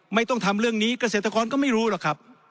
ไม่ต้องทำเรื่องนี้เกษตรกรก็ไม่รู้หรอกครับ